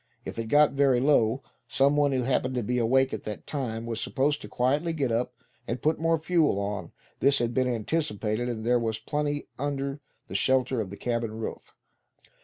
If it got very low, some one who happened to be awake at the time, was supposed to quietly get up, and put more fuel on; this had been anticipated, and there was plenty under the shelter of the cabin roof.